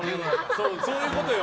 そういうことよ。